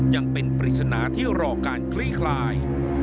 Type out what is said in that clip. ยังเป็นปริศนาที่รอการคลี่คลาย